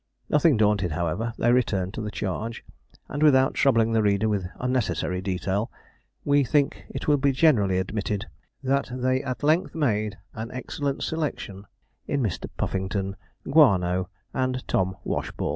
Nothing daunted, however, they returned to the charge, and without troubling the reader with unnecessary detail, we think it will be generally admitted that they at length made an excellent selection in Mr. Puffington, Guano, and Tom Washball.